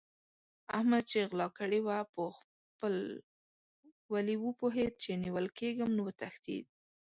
احمد چې غلا کړې وه؛ په خپل ولي پوهېد چې نيول کېږم نو وتښتېد.